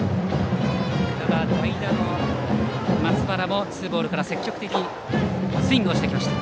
ただ、代打の松原もツーボールから積極的にスイングしてきました。